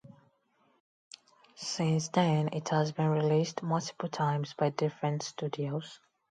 Since then it has been released multiple times by different studios.